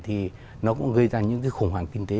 thì nó cũng gây ra những cái khủng hoảng kinh tế